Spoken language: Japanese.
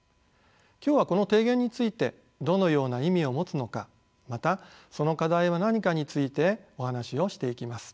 今日はこの提言についてどのような意味を持つのかまたその課題は何かについてお話をしていきます。